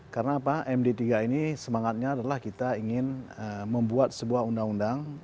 karena apa md tiga ini semangatnya adalah kita ingin membuat sebuah undang undang